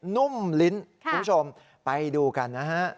นุ่มลิ้นคุณผู้ชมไปดูกันนะฮะ